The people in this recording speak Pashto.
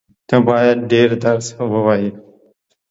ته بايد ډېر درس ووایې.